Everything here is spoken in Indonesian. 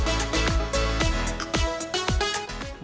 apa yang kita lakukan